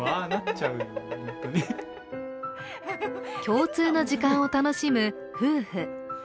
共通の時間を楽しむ夫婦。